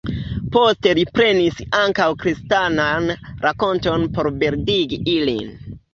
Poste li prenis ankaŭ kristanajn rakontojn por bildigi ilin.